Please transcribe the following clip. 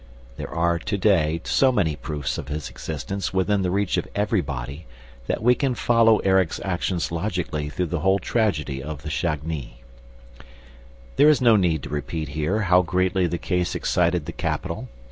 There are to day so many proofs of his existence within the reach of everybody that we can follow Erik's actions logically through the whole tragedy of the Chagnys. There is no need to repeat here how greatly the case excited the capital.